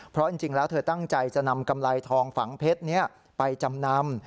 เพราะจริงแล้วเธอตั้งใจจะนำกำไรทองฝังเพชรนี้ไปจำนำ